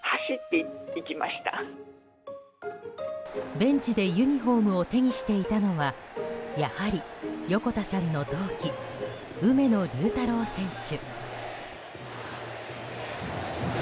ベンチでユニホームを手にしていたのはやはり、横田さんの同期梅野隆太郎選手。